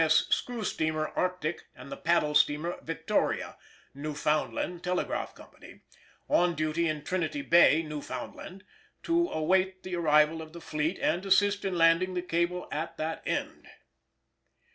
S. screw steamer Arctic and the paddle steamer Victoria (Newfoundland Telegraph Company) on duty in Trinity Bay, Newfoundland, to await the arrival of the fleet and assist in landing the cable at that end.